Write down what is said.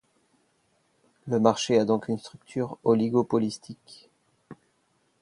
Le marché a donc une structure oligopolistique.